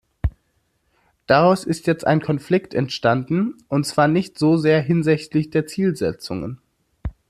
Daraus ist jetzt ein Konflikt entstanden, und zwar nicht so sehr hinsichtlich der Zielsetzungen.